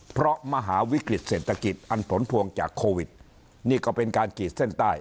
เพราะมหาวิกฤตเศรษฐกิจอันผลพวงจากโควิดนี่ก็เป็นการขีดเส้นใต้